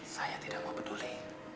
saya tidak mau peduli